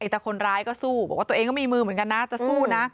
แต่คนร้ายก็สู้บอกว่าตัวเองก็มีมือเหมือนกันนะจะสู้นะ